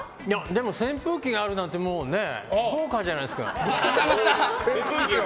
扇風機があるなんてもう豪華じゃないですか。